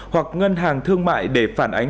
hoặc ngân hàng thương mại để phản ánh